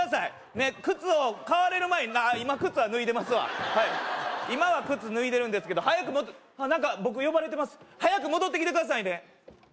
ねっ靴を買われる前にああ今靴は脱いでますわはい今は靴脱いでるんですけど早く戻あっ何か僕呼ばれてます早く戻ってきてくださいね